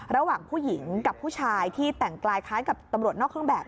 ระหว่างผู้หญิงกับผู้ชายที่แต่งกลายคล้ายกับตำรวจนอกเครื่องแบบ